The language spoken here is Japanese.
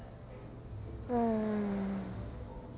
うん。